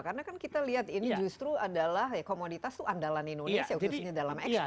karena kan kita lihat ini justru adalah komoditas andalan indonesia